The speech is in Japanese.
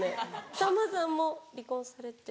さんまさんも離婚されて。